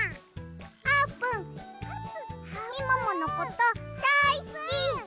「あーぷんみもものことだいすき！」。